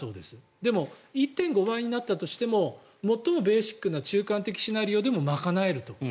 でも１．５倍になったとしても最もベーシックな中間的シナリオでも賄えると。